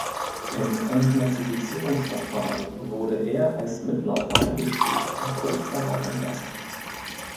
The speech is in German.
Im Entnazifizierungsverfahren wurde er als Mitläufer eingestuft und kurz darauf entlassen.